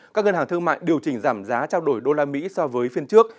các ngân hàng thương mại điều chỉnh giảm giá trao đổi đô la mỹ so với phiên trước